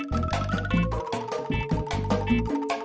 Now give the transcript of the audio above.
makasih punya rondot